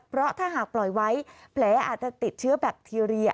เพราะถ้าหากปล่อยไว้แผลอาจจะติดเชื้อแบคทีเรีย